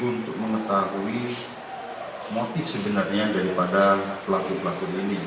untuk mengetahui motif sebenarnya daripada pelaku pelaku ini